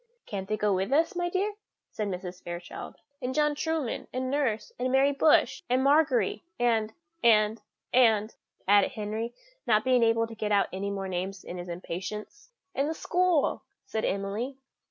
"Can't they go with us, my dear?" said Mrs. Fairchild. "And John Trueman, and nurse, and Mary Bush, and Margery, and and and " added Henry, not being able to get out any more names in his impatience. "And the school!" said Emily.